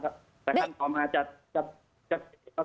แต่คันต่อมาจะเบรกแล้วก็หักเลี้ยวออก